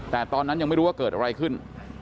แต่ตอนนั้นยังไม่รู้ว่าเกิดอะไรขึ้น